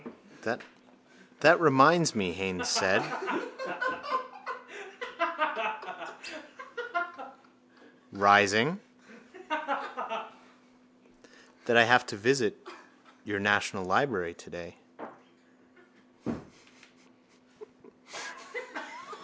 —That reminds me, Haines said, rising, that I have to visit your national library today.